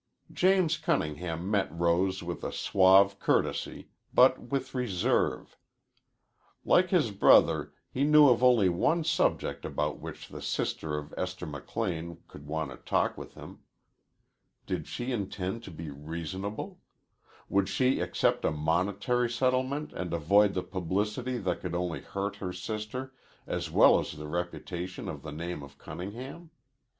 James Cunningham met Rose with a suave courtesy, but with reserve. Like his brother he knew of only one subject about which the sister of Esther McLean could want to talk with him. Did she intend to be reasonable? Would she accept a monetary settlement and avoid the publicity that could only hurt her sister as well as the reputation of the name of Cunningham?